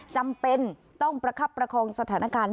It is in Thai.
จำเป็นต้องประคับประคองสถานการณ์